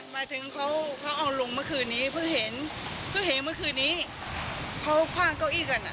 มาถึงเขาเขาเอาลงเมื่อคืนนี้เพิ่งเห็นเพิ่งเห็นเมื่อคืนนี้เขาคว่างเก้าอี้กันอ่ะ